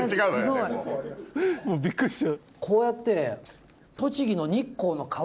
こうやって。